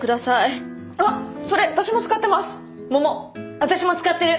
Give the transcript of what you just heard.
私も使ってる！